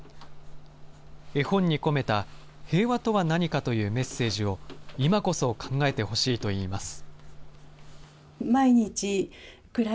絵本に込めた、平和とは何かというメッセージを、今こそ考えてほしいといいます。